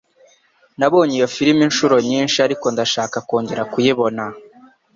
Nabonye iyo firime inshuro nyinshi, ariko ndashaka kongera kuyibona.